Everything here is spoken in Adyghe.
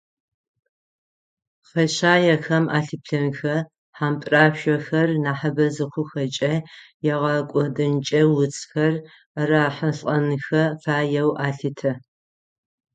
Хэшъаехэм алъыплъэнхэ, хьампӏырашъохэр нахьыбэ зыхъухэкӏэ ягъэкӏодынкӏэ уцхэр арахьылӏэнхэ фаеу алъытэ.